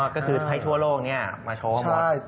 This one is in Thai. ก็คือไพท์ทั่วโลกนี้มาโชว์หมด